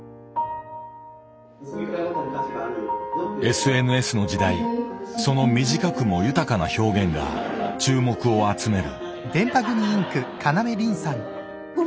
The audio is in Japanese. ＳＮＳの時代その短くも豊かな表現が注目を集める。